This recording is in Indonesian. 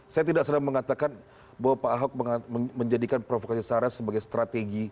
saya tidak sedang mengatakan bahwa pak ahok menjadikan provokasi sarah sebagai strategi